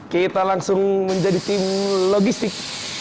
kita langsung menjadi tim logistik